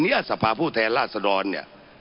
เนี่ยสภาพผู้แทนลาสดรเนี่ย